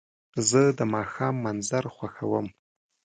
زه د ماښام منظر خوښوم.